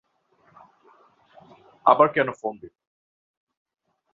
আবার কেন ফোন দিল?